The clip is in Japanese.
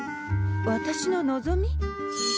私の望み？